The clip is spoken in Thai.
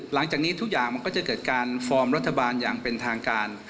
หลังจากนี้ทุกอย่างมันก็จะเกิดการฟอร์มรัฐบาลอย่างเป็นทางการ